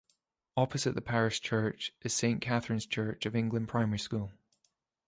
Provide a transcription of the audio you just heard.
Opposite the parish church is Saint Katharine's Church of England Primary School.